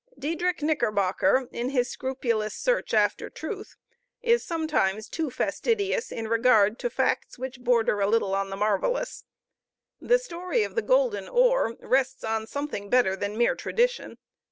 Diedrich Knickerbocker, in his scrupulous search after truth, is sometimes too fastidious in regard to facts which border a little on the marvelous. The story of the golden ore rests on something better than mere tradition.